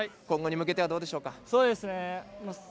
今後に向けてはどうでしょうか。